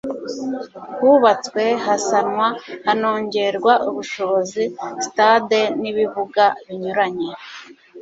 hubatswe, hasanwa, hanongererwa ubushobozi stades n'ibibuga binyuranye